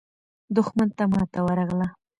دښمن ته ماته ورغله.